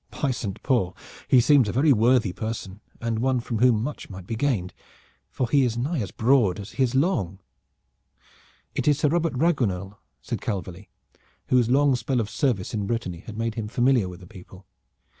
By Saint Paul! he seems a very worthy person and one from whom much might be gained, for he is nigh as broad as he is long." "It is Sir Robert Raguenel," said Calverly, whose long spell of service in Brittany had made him familiar with the people.